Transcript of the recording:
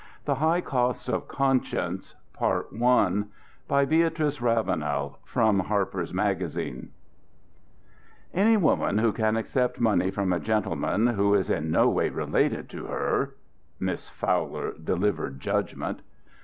THE HIGH COST OF CONSCIENCE BY BEATRICE RAVENEL From Harper's Magazine "Any woman who can accept money from a gentleman who is in no way related to her " Miss Fowler delivered judgment.